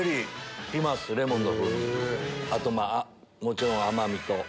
あともちろん甘みと。